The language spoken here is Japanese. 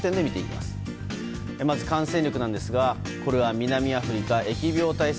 まず感染力なんですがこれは南アフリカ疫病対策